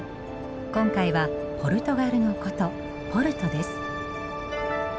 今回はポルトガルの古都ポルトです。